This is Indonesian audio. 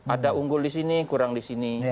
ada unggul disini kurang disini